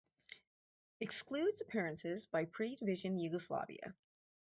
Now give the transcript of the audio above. Excludes appearances by pre-division Yugoslavia.